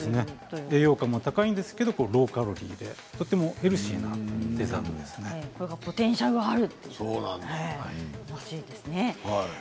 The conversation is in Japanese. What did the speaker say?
栄養価も高いんですけどローカロリーでとってもポテンシャルがあるということですね。